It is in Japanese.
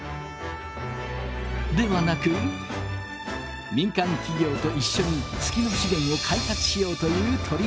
ではなく民間企業と一緒に月の資源を開発しようという取り組みです。